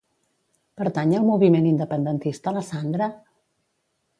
Pertany al moviment independentista la Sandra?